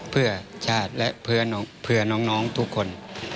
เพื่อชาติและเพื่อน้องทุกคน